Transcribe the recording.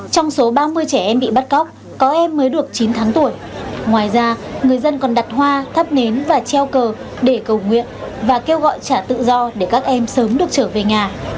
trong số ba mươi trẻ em bị bắt cóc có em mới được chín tháng tuổi ngoài ra người dân còn đặt hoa thắp nến và treo cờ để cầu nguyện và kêu gọi trả tự do để các em sớm được trở về nhà